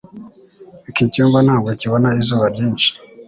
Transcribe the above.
Iki cyumba ntabwo kibona izuba ryinshi.